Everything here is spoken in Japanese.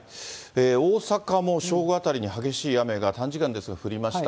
大阪も正午あたりに激しい雨が、短時間ですが降りました。